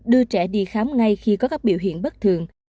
đưa trẻ đi khám ngay khi có các biểu hiện bất thường